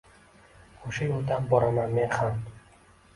O’sha yo’ldan boraman men xam.